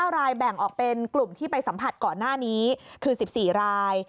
รายแบ่งออกเป็นกลุ่มที่ไปสัมผัสก่อนหน้านี้คือ๑๔ราย